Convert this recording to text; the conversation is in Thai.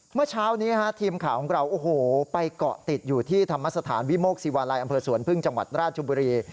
เมื่อเช้านี้ทีมข่าวของเราโอ้โหไปเกาะติดอยู่ที่ธรรมสถานวิโมกศิวาลัยอำเภอสวนพึ่งจังหวัดราชบุรี